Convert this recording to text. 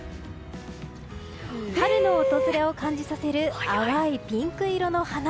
春の訪れを感じさせる淡いピンク色の花。